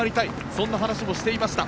そんな話もしていました。